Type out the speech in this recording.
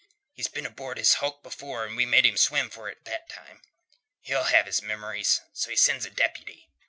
He's been aboard this hulk afore, and we made him swim for it that time. He'll have his memories. So he sends a deputy."